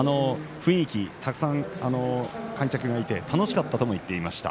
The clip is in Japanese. たくさん観客がいて楽しかったとも言っていました。